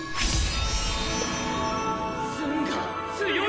ツンが強い！